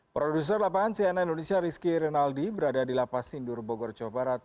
produser lapangan cnn indonesia rizky rinaldi berada di lapas sindur bogor jawa barat